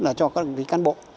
là cho các cái cán bộ